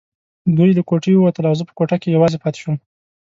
دوی له کوټې ووتل او زه په کوټه کې یوازې پاتې شوم.